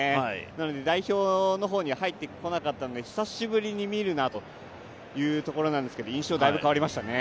なので代表の方には入ってこなかったので久しぶりに見るなというところなんですけども印象、だいぶ変わりましたね。